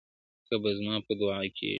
كه به زما په دعا كيږي~